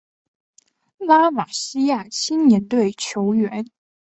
拉玛西亚青年队球员